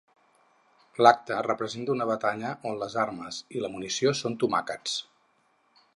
L'acte representa una batalla on les armes i la munició són tomàquets.